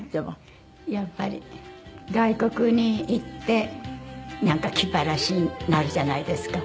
やっぱり外国に行ってなんか気晴らしになるじゃないですか。